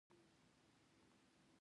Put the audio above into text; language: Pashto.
سږي د بدن تر ټولو لوی فلټر دي.